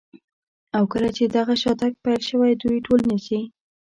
له کله چې دغه شاتګ پیل شوی دوی ټول نیسي.